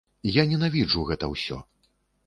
Я ненавіджу гэта ўсё.